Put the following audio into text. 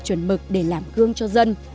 chuẩn mực để làm gương cho dân